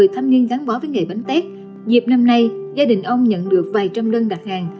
trong bó với nghề bánh tét dịp năm nay gia đình ông nhận được vài trăm đơn đặt hàng